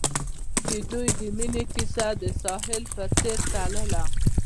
د دوی د مینې کیسه د ساحل په څېر تلله.